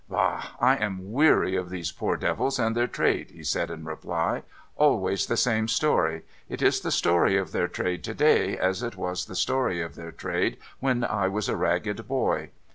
' Bah ! I am weary of these poor devils and their trade,' he said, in reply. ' Always the same story. It is the story of their trade to day, as it was the story of their trade when I was a ragged boy.